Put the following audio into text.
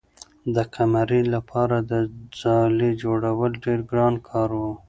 د قمرۍ لپاره د ځالۍ جوړول ډېر ګران کار و.